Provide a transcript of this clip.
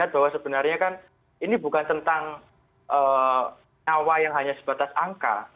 bahwa sebenarnya kan ini bukan tentang nyawa yang hanya sebatas angka